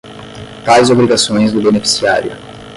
tais obrigações do beneficiário.